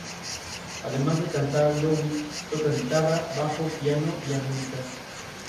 El período de Goryeo estuvo marcado por un uso creciente de caracteres hanja.